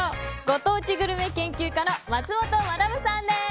ご当地グルメ研究家の松本学さんです。